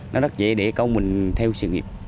nó đắt dễ để công mình theo sự nghiệp